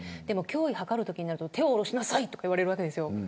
胸囲を測るときになると手を下ろしなさいとか言われるわけです。